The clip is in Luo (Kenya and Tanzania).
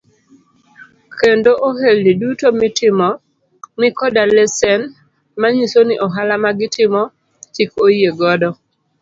Kendo ohelni duto mitimo ni koda lesen manyiso ni ohala magitimo chik oyie godo.